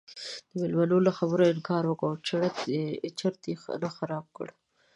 میلمنو له خبرو انکار وکړ او چرت یې نه خراب کړ.